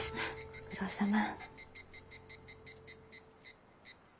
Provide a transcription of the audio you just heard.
ご苦労さま。